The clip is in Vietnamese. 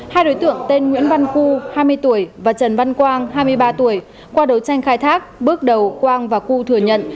hai đối tượng tên nguyễn văn cư hai mươi tuổi và trần văn quang hai mươi ba tuổi qua đấu tranh khai thác bước đầu quang và cư thừa nhận